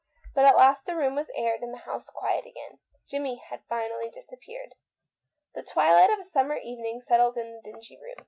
But at last the room was aired, and the THE WOMAN WAITS. 157 house quiet again. Jimmie had finally dis appeared. The twilight of a summer evening settled on the dingy room.